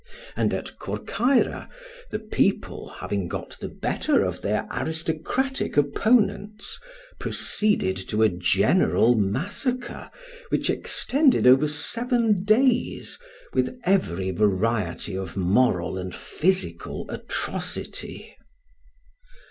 And at Corcyra the people, having got the better of their aristocratic opponents, proceeded to a general massacre which extended over seven days, with every variety of moral and physical atrocity.